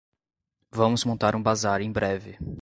Vamos montar um bazar em breve